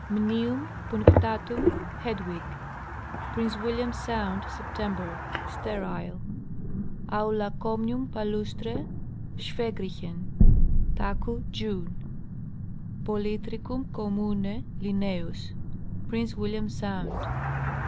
Mnium punctatum., Hedw. Prince William sound, September. Sterile. Aulacoiwnium palustre, Schwaegr. Taku, June. Polytrichum commune, L. Prince William sound.